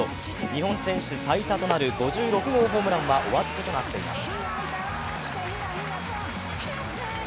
日本選手最多となる５６号ホームランはお預けとなっています。